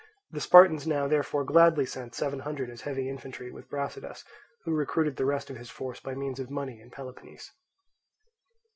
The Spartans now therefore gladly sent seven hundred as heavy infantry with Brasidas, who recruited the rest of his force by means of money in Peloponnese.